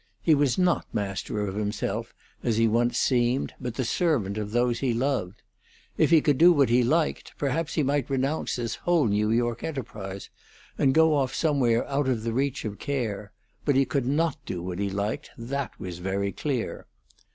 He was not master of himself, as he once seemed, but the servant of those he loved; if he could do what he liked, perhaps he might renounce this whole New York enterprise, and go off somewhere out of the reach of care; but he could not do what he liked, that was very clear.